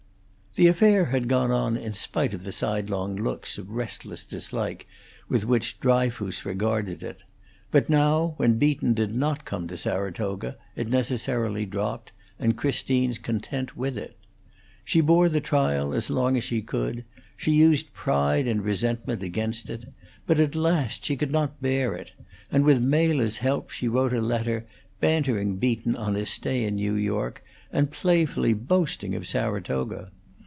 The affair had gone on in spite of the sidelong looks of restless dislike with which Dryfoos regarded it; but now when Beaton did not come to Saratoga it necessarily dropped, and Christine's content with it. She bore the trial as long as she could; she used pride and resentment against it; but at last she could not bear it, and with Mela's help she wrote a letter, bantering Beaton on his stay in New York, and playfully boasting of Saratoga.